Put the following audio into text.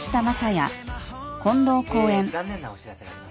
え残念なお知らせがあります。